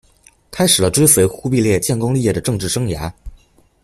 开始了追随忽必烈建功立业的政治生涯。